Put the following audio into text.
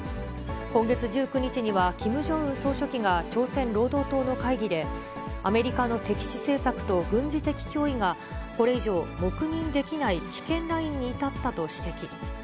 今月１９日には、キム・ジョンウン総書記が朝鮮労働党の会議で、アメリカの敵視政策と軍事的脅威が、これ以上黙認できない危険ラインに至ったと指摘。